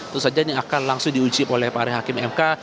tentu saja ini akan langsung diuji oleh para hakim mk